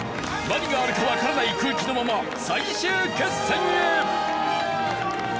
何があるかわからない空気のまま最終決戦へ！